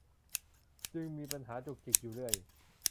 จึงมีปัญหาจุกจิกอยู่เรื่อย